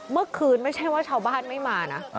เมื่อคืนไม่ใช่ว่าชาวบ้านงานไม่มานะ